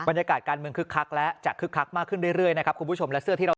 บรรยากาศการเมืองคึกคักและจะคึกคักมากขึ้นเรื่อยนะครับคุณผู้ชมและเสื้อที่เรา